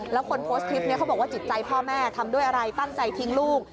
แล้วคนโพสต์คลิปนี้เขาบอกว่าจิตใจพ่อแม่ทำด้วยอะไรตั้งใจทิ้งลูก